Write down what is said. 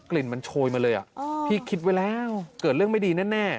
ลิ่นมันโชยมาเลยพี่คิดไว้แล้วเกิดเรื่องไม่ดีแน่